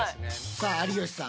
さあ有吉さん